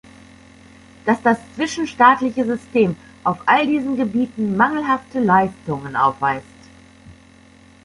Dass das zwischenstaatliche System auf all diesen Gebieten mangelhafte Leistungen aufweist.